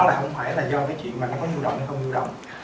không phải là do cái chuyện mà nó có dự động hay không dự động